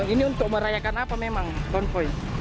ini untuk merayakan apa memang konvoy